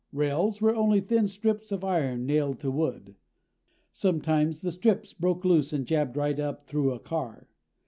Rails were only thin strips of iron nailed to wood. Sometimes the strips broke loose and jabbed right up through a car.